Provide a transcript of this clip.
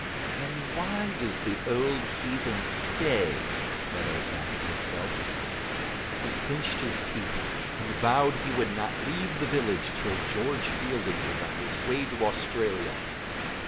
"And why does the old heathen stay?" Meadows asked himself; he clinched his teeth and vowed he would not leave the village till George Fielding was on his way to Australia.